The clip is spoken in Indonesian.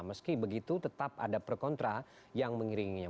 meski begitu tetap ada perkontra yang mengiringinya